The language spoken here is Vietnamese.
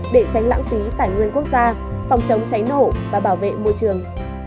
để tránh lãng phí tài nguyên quốc gia phòng chống cháy nổ và bảo vệ môi trường